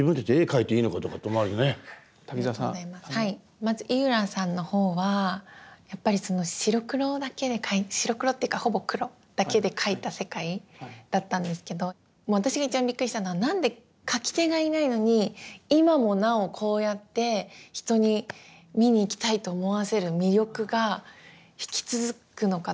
まず井浦さんのほうはやっぱりその白黒だけで白黒っていうかほぼ黒だけで描いた世界だったんですけど私が一番びっくりしたのは何で描き手がいないのに今もなおこうやって人に見に行きたいと思わせる魅力が引き続くのかって。